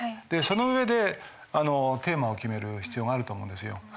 その上でテーマを決める必要があると思うんですよ。